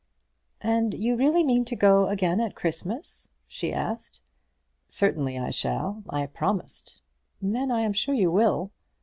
"And you really mean to go again at Christmas?" she asked. "Certainly I shall; I promised." "Then I am sure you will."